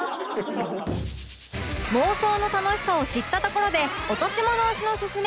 妄想の楽しさを知ったところで落とし物推しのススメ